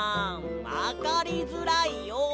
わかりづらいよ。